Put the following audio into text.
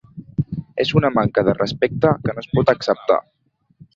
És una manca de respecte que no es pot acceptar.